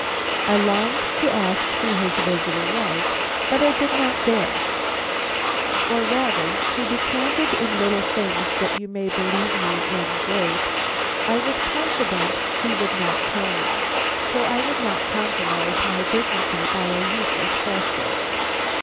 I longed to ask who his visitor was, but I did not dare, or rather to be candid in little things that you may believe me in great I was confident he would not tell me, so I would not compromise my dignity by a useless question.